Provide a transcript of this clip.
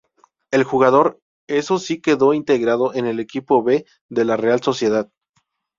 El jugador, eso sí quedó integrado en el equipo B de la Real Sociedad.